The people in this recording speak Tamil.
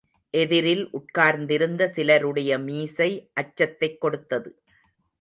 எதிரில் உட்கார்ந்திருந்த சிலருடைய மீசை அச்சத்தைக் கொடுத்தது.